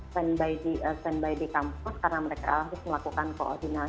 standby di kampus karena mereka harus melakukan koordinasi